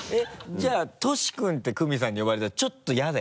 じゃあ「とし君」ってクミさんに呼ばれたらちょっと嫌だ？